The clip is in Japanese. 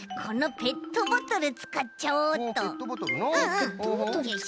ペットボトルのう。